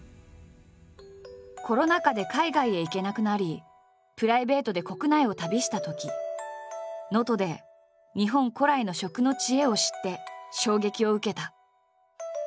コロナ禍で海外へ行けなくなりプライベートで国内を旅したとき能登で日本古来の食の知恵を知って衝撃を受けた。